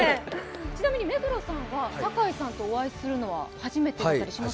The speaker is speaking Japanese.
ちなみに目黒さんは、堺さんとお会いするのは初めてだったりします？